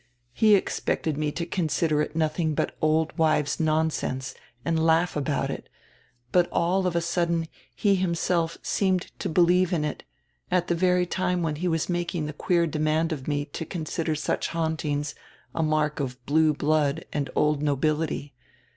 He expected me to consider it nothing but old wives' nonsense and laugh about it, but all of a sudden he himself seemed to believe in it, at the very time when he was making die queer demand of me to consider such hauntings a mark of blue blood and old nobility.